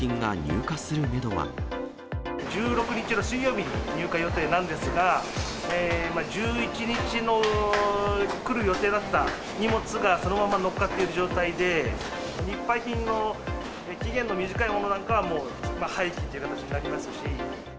１６日の水曜日に入荷予定なんですが、１１日に来る予定だった荷物がそのままのっかっている状態で、日配品の期限の短いものなんかは、もう廃棄という形になりますし。